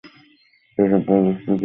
সেসকল প্রযুক্তির কিছু তালিকা